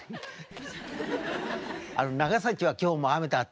「長崎は今日も雨だった」ってね